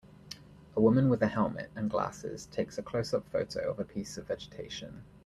A woman with a helmet and glasses takes a closeup photo of a piece of vegetation.